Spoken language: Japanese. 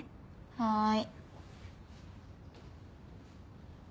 はい。